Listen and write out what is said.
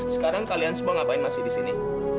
sekarang kalian semua ngapain masih di sini